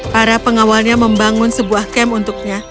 para pengawalnya membangun sebuah camp untuknya